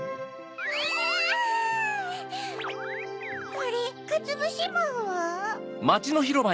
あれかつぶしまんは？